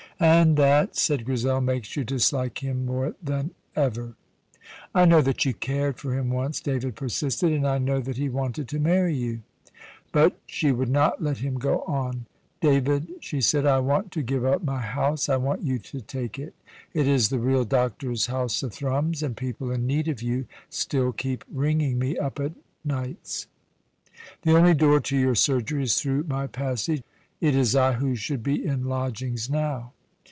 "And that," said Grizel, "makes you dislike him more than ever." "I know that you cared for him once," David persisted, "and I know that he wanted to marry you " But she would not let him go on. "David," she said, "I want to give up my house, and I want you to take it. It is the real doctor's house of Thrums, and people in need of you still keep ringing me up of nights. The only door to your surgery is through my passage; it is I who should be in lodgings now."